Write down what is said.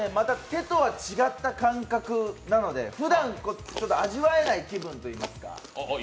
手とは違った感覚なのでふだん味わえない気分といいますか。